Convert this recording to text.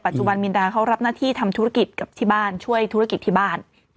จุบันมินดาเขารับหน้าที่ทำธุรกิจกับที่บ้านช่วยธุรกิจที่บ้าน